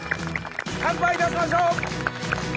乾杯いたしましょう！